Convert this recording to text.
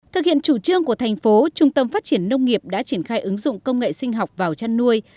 thực hiện chủ trương của thành phố trung tâm phát triển nông nghiệp đã triển khai ứng dụng công nghệ sinh học vào chăn nuôi